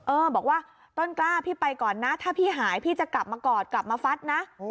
เออบอกว่าต้นกล้าพี่ไปก่อนนะถ้าพี่หายพี่จะกลับมากอดกลับมาฟัดนะ